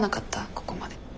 ここまで。